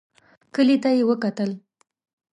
کلي ته يې وکتل.